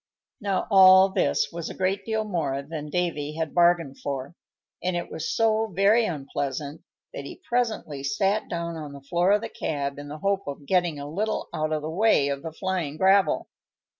Now, all this was a great deal more than Davy had bargained for, and it was so very unpleasant that he presently sat down on the floor of the cab in the hope of getting a little out of the way of the flying gravel.